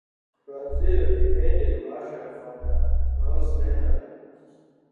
Brazil defeated Russia for the bronze medal.